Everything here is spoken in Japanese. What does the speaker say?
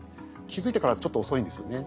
気付いてからだとちょっと遅いんですよね。